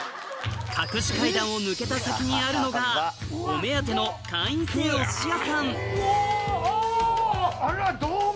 隠し階段を抜けた先にあるのがお目当てのあらどうも。